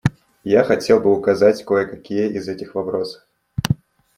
Я хотел бы указать кое-какие из этих вопросов.